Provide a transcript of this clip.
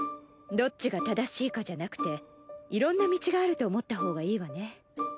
どっちが正しいかじゃなくていろんな道があると思った方がいいわね。